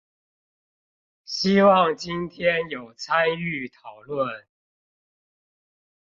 希望今天有參與討論